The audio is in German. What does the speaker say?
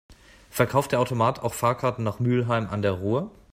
Verkauft der Automat auch Fahrkarten nach Mülheim an der Ruhr?